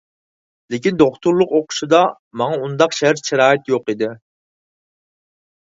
لېكىن، دوكتورلۇق ئوقۇشىدا ماڭا ئۇنداق شەرت-شارائىت يوق ئىدى.